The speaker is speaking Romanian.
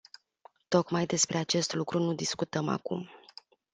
Tocmai despre acest lucru nu discutăm acum.